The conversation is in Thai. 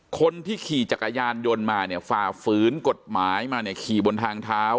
คนที่ขี่จักรยานยนต์มาเนี่ยฝ่าฝืนกฎหมายมาเนี่ยขี่บนทางเท้า